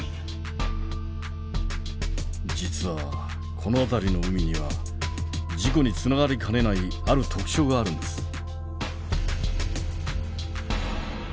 実はこの辺りの海には事故につながりかねないある特徴があるんです。